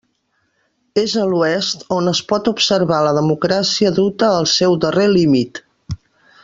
És a l'Oest on es pot observar la democràcia duta al seu darrer límit.